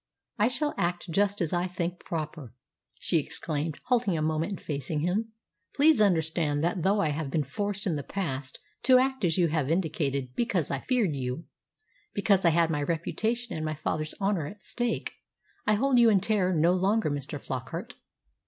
"I shall act just as I think proper," she exclaimed, halting a moment and facing him. "Please understand that though I have been forced in the past to act as you have indicated, because I feared you because I had my reputation and my father's honour at stake I hold you in terror no longer, Mr. Flockart."